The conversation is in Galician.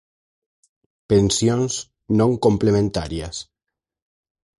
Pensións non complementarias.